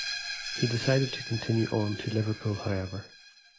He decided to continue on to Liverpool however.